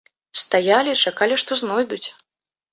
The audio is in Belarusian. Стаялі, чакалі, што знойдуць.